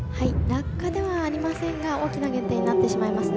落下ではありませんが大きな減点になってしまいます。